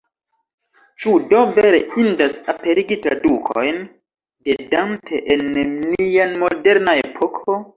Ĉu do vere indas aperigi tradukojn de Dante en nia moderna epoko?